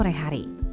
pada sore hari